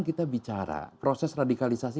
kita bicara proses radikalisasi